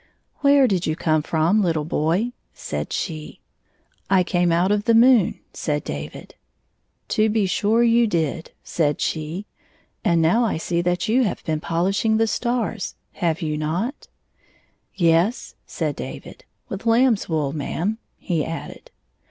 "Where did you come from, httle boy ?" said she. " I came out of the moon,'' said David. " To be sure you did," said she. " And now I see that you have been polishing the stars, have you not ?"" Yes," said David. " With lamb's wool, ma' am," he added.